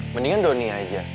mendingan doni aja